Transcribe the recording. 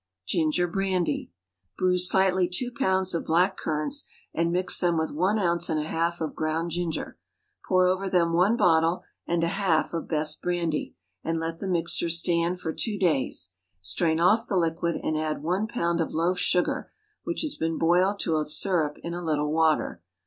Ginger Brandy. Bruise slightly two pounds of black currants, and mix them with one ounce and a half of ground ginger. Pour over them one bottle and a half of best brandy, and let the mixture stand for two days. Strain off the liquid, and add one pound of loaf sugar which has been boiled to a syrup in a little water.